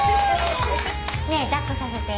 ねえ抱っこさせて。